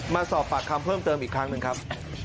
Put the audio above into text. มาสอบปากคำเพิ่มเติมอีกครั้งหนึ่งครับ